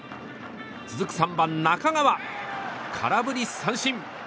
続く３番、中川、空振り三振。